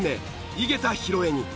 井桁弘恵に。